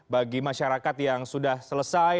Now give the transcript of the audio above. bagi masyarakat yang sudah selesai